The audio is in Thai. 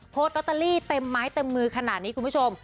ลอตเตอรี่เต็มไม้เต็มมือขนาดนี้คุณผู้ชม